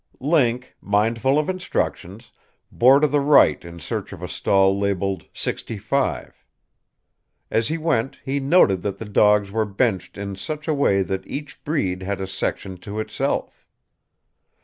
Link, mindful of instructions, bore to the right in search of a stall labeled "65." As he went, he noted that the dogs were benched in such a way that each breed had a section to itself.